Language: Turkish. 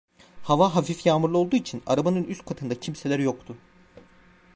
Hava hafif yağmurlu olduğu için, arabanın üst katında kimseler yoktu.